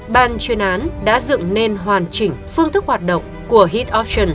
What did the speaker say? ban chuyên án đã dựng nên hoàn chỉnh phương thức hoạt động của hitoption